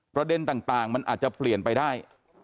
ประเด็นต่างมันอาจจะเปลี่ยนไปได้